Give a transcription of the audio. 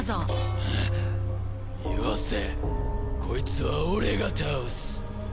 こいつは俺が倒す！